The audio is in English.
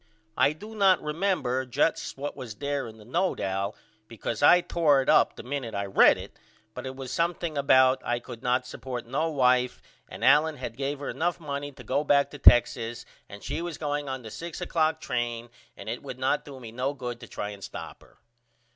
I do not remember just what was there in the note Al because I tore it up the minute I read it but it was something about I could not support no wife and Allen had gave her enough money to go back to Texas and she was going on the 6 oclock train and it would not do me no good to try and stop her.